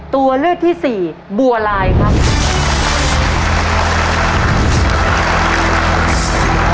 ตัวเลือกที่สี่บัวลายครับ